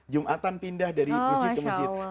jumatan pindah dari masjid ke masjid